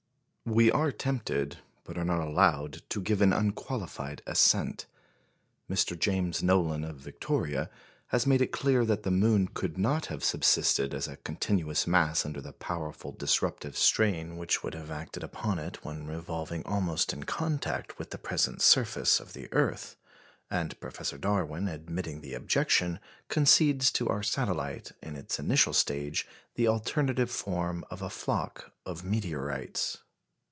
" We are tempted, but are not allowed to give an unqualified assent. Mr. James Nolan of Victoria has made it clear that the moon could not have subsisted as a continuous mass under the powerful disruptive strain which would have acted upon it when revolving almost in contact with the present surface of the earth; and Professor Darwin, admitting the objection, concedes to our satellite, in its initial stage, the alternative form of a flock of meteorites.